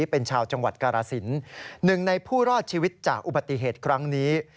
เป็นชาวจังหวัดกรสินหนึ่งในผู้รอดชีวิตจากอุบัติเหตุครั้งนี้